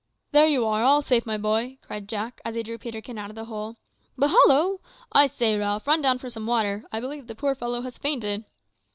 "There you are, all safe, my boy," cried Jack, as he drew Peterkin out of the hole. "But hollo! I say, Ralph, run down for some water; I believe the poor fellow has fainted."